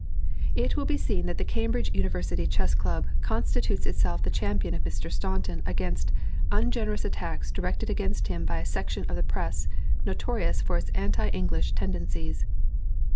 "It will be seen that the Cambridge University Chess Club constitutes itself the champion of Mr. Staunton against "ungenerous attacks directed against him by a section of the press, notorious for its anti English tendencies."